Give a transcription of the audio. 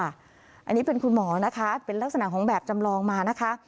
อันนี้เป็นคุณหมอนะคะเป็นลักษณะของแบบจำลองมานะคะ